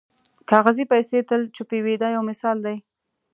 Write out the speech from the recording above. کاغذي پیسې تل چوپې وي دا یو مثال دی.